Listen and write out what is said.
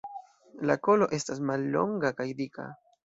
La kolo estas mallonga kaj dika.